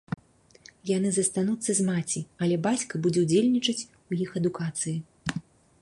Яны застануцца з маці, але бацька будзе ўдзельнічаць у іх адукацыі.